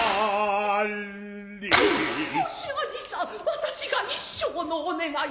私が一生のお願い